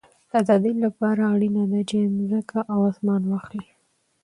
د آزادۍ له پاره اړینه ده، چي مځکه او اسمان واخلې.